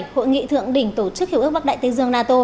hội nghị thượng đỉnh tổ chức hiệp ước bắc đại tây dương nato